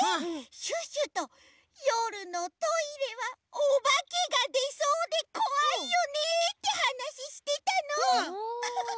シュッシュとよるのトイレはおばけがでそうでこわいよねってはなししてたの！